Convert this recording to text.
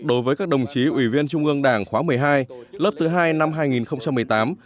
đối với các đồng chí ủy viên trung ương đảng khóa một mươi hai lớp thứ hai năm hai nghìn một mươi tám